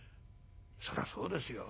そらそうですよ。